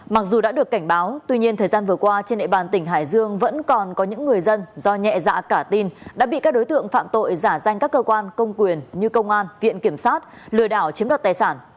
mặc dù đã được cảnh báo tuy nhiên thời gian vừa qua trên địa bàn tỉnh hải dương vẫn còn có những người dân do nhẹ dạ cả tin đã bị các đối tượng phạm tội giả danh các cơ quan công quyền như công an viện kiểm sát lừa đảo chiếm đoạt tài sản